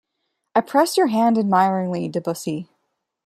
I press your hand admiringly, Debussy.